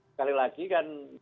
sekali lagi kan